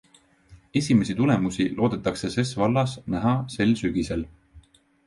Esimesi tulemusi loodetakse ses vallas näha sel sügisel.